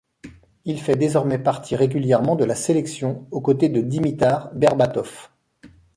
Il fait désormais partie régulièrement de la sélection aux côtés de Dimitar Berbatov.